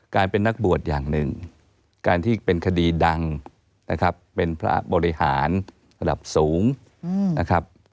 การเป็นนักบวชอย่างหนึ่งการที่เป็นคดีดังนะครับเป็นพระบริหารระดับสูงนะครับ